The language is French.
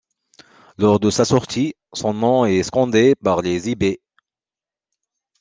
Lors de sa sortie, son nom est scandé par les Hibees.